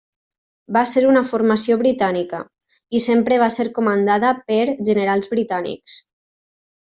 Va ser una formació britànica, i sempre va ser comandada per generals britànics.